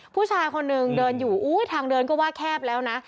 ผู้ชายคนหนึ่งเดินอยู่อุ้ยทางเดินก็ว่าแคบแล้วนะ